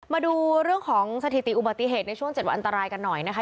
มาดูเรื่องของสถิติอุบัติเหตุในช่วง๗วันอันตรายกันหน่อยนะคะ